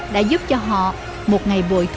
đã giúp cho họ một ngày bội thu